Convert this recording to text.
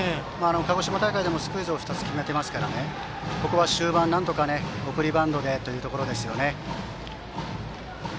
鹿児島大会でもスクイズを２つ決めていますからここは終盤なんとか送りバントでというところですね。